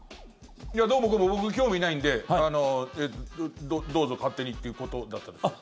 どうもこうも僕、興味ないんでどうぞ勝手にっていうことだったんですけど。